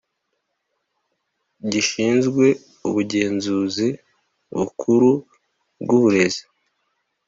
Gishinzwe ubugenzuzi bukuru bw uburezi